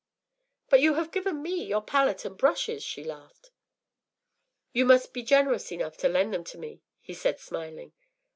” “But you have given me your palette and brushes!” she laughed. “You must be generous enough to lend them to me,” he said, smiling.